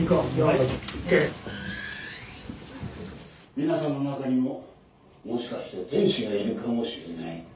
皆さんの中にももしかして天使がいるかもしれない。